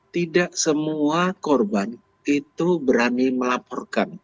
tidak semua korban itu berani melaporkan